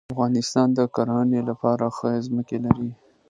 افغانستان د کرهڼې لپاره ښې ځمکې لري.